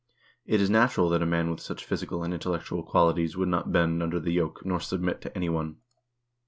It is natural that a man with such physical and intellectual qualities would not bend under the yoke, nor submit to any one."